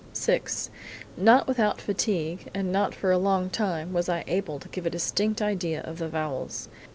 "VI: Not without fatigue, and not for a long time, was I able to give a distinct idea of the vowels.